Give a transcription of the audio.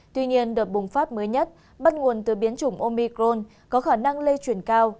tuy nhiên đợt bùng phát mới nhất bắt nguồn từ biến chủng omicron có khả năng lây chuyển cao